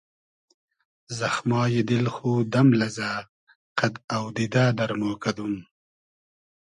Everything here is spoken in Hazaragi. زئخمای دیل خو دئم لئزۂ قئد اۆدیدۂ دئرمۉ کئدوم